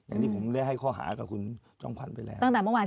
อันนี้ผมได้ให้ข้อหากับคุณจองพันไปแล้ว